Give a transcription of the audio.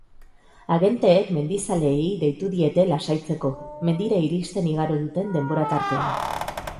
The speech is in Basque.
Agenteek mendizaleei deitu diete lasaitzeko, mendira iristen igaro duten denbora-tartean.